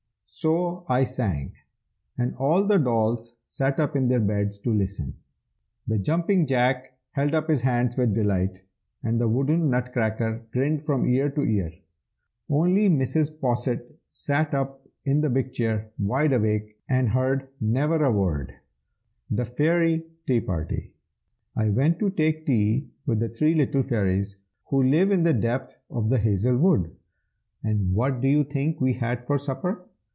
So I sang, and all the dolls sat up in their beds to listen. The Jumping Jack held up his hands with delight, and the wooden Nutcracker grinned from ear to ear. Only Mrs. Posset sat up in the big chair, wide awake, and heard never a word. THE FAIRY TEA PARTY. I went to take tea with the three little fairies Who live in the depth of the hazel wood. And what do you think we had for supper?